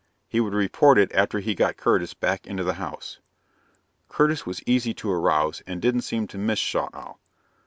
He would report it after he had got Curtis back into the house. Curtis was easy to arouse and didn't seem to miss Schaughtowl.